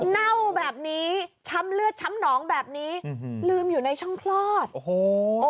เน่าแบบนี้ช้ำเลือดช้ำหนองแบบนี้ลืมอยู่ในช่องคลอดโอ้โห